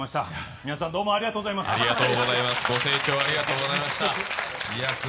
皆さん、どうもありがとうございます。